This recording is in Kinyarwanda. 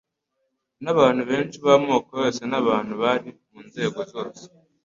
n'abantu benshi b'amoko yose n'abantu bari mu nzego zose: